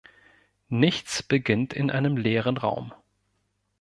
Nichts beginnt in einem leeren Raum.